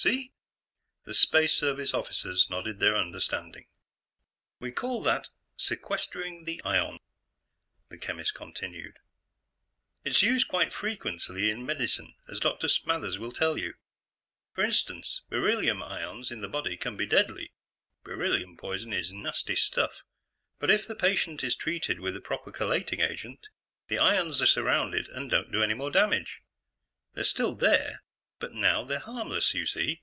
See?" The Space Service Officers nodded their understanding. "We call that 'sequestering' the ion," the chemist continued. "It's used quite frequently in medicine, as Dr. Smathers will tell you. For instance, beryllium ions in the body can be deadly; beryllium poisoning is nasty stuff. But if the patient is treated with the proper chelating agent, the ions are surrounded and don't do any more damage. They're still there, but now they're harmless, you see."